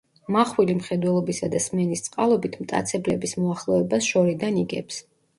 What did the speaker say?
მახვილი მხედველობისა და სმენის წყალობით მტაცებლების მოახლოებას შორიდან იგებს.